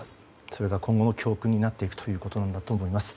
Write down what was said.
それが今後の教訓になっていくということなんだろうと思います。